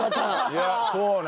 いやそうね。